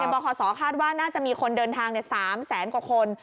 บคศคาดว่าน่าจะมีคนเดินทาง๓แสนกว่าคน